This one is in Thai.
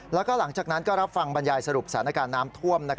แล้วก็หลังจากนั้นก็รับฟังบรรยายสรุปสถานการณ์น้ำท่วม